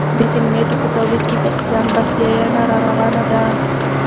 د سمنټو په تولید کې پر ځان بسیاینه راروانه ده.